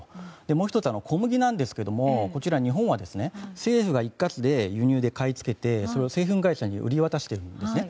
もう１つ、小麦なんですけどもこちら日本は政府が一括で輸入で買い付けてそれを製粉会社に売り渡しているんですね。